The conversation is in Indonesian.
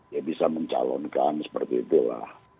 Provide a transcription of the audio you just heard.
ya bisa mencalonkan seperti itulah